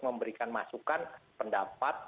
memberikan masukan pendapat